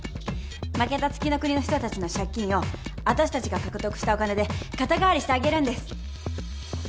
負けた月ノ国の人たちの借金をわたしたちが獲得したお金で肩代わりしてあげるんです。